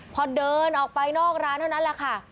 พอเดินออกไปนอกร้านเท่านั้นแหละค่ะ